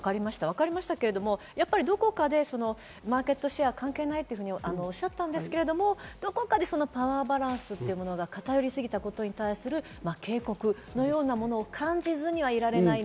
分かりましたけれども、どこかでマーケットシェアは関係ないとおっしゃってたんですけど、どこかでパワーバランスというものが偏りすぎたことに対する警告のようなものを感じずにはいられない。